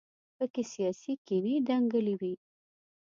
په کې سیاسي کینې دنګلې وي.